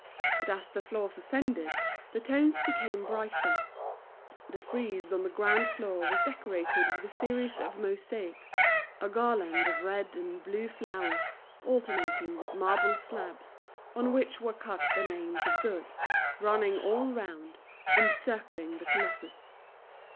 But as the floors ascended, the tones became brighter. The frieze on the ground floor was decorated with a series of mosaics, a garland of red and blue flowers, alternating with marble slabs, on which were cut the names of goods, running all round, encircling the colossus.